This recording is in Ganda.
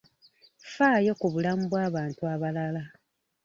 Faayo ku bulamu bw'abantu abalala.